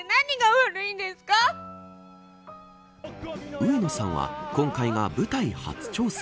上野さんは今回が舞台初挑戦。